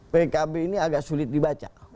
pkb ini agak sulit dibaca